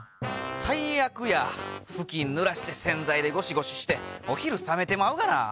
最悪やふきんぬらして洗剤でゴシゴシしてお昼冷めてまうがな。